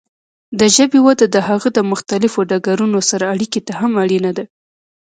د ژبې وده د هغه د مختلفو ډګرونو سره اړیکې ته هم اړینه ده.